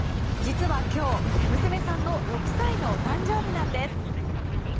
実は今日、娘さんの６歳のお誕生日なんです。